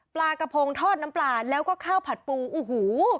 ปลากระพงทอดน้ำปลาแล้วก็ข้าวผัดปูโอ้โห